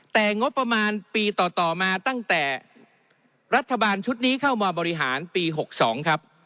แต่งบประมาณปีต่อมาตั้งแต่รัฐบาลชุดนี้เข้ามาบริหารปี๖๒ครับ